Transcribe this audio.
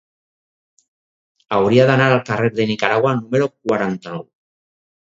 Hauria d'anar al carrer de Nicaragua número quaranta-nou.